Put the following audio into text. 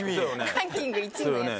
ランキング１位のやつ。